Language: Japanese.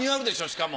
しかも。